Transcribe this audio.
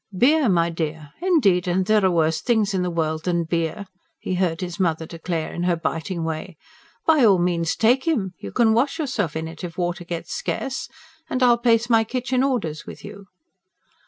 "Beer, my dear, indeed and there are worse things in the world than beer!" he heard his mother declare in her biting way. "By all means take him! You can wash yourself in it if water gets scarce, and I'll place my kitchen orders with you."